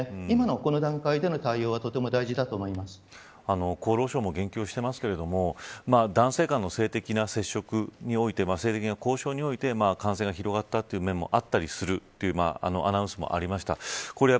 今の時点では封じ込めは可能ですので今のこの段階での対応は厚労省も言及していますが男性間の性的な接触において性的な交渉において感染が広がったという面もあったりするというアナウンスもありました。